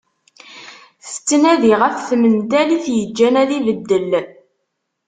Tettnadi ɣef tmental i t-yeǧǧan ad ibeddel.